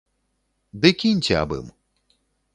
Ды кіньце аб ім.